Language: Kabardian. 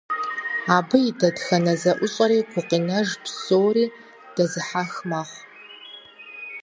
Абы и дэтхэнэ зэӏущӏэри гукъинэж, псори дэзыхьэх мэхъу.